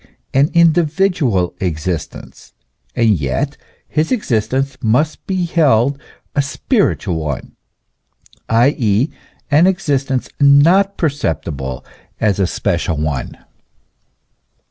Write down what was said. an individual existence ; and yet his existence must be held a spiritual one, i.e., an existence not perceptible as a special one.